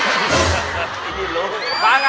โอ๊ยตั้งรถตุ๊กมานะ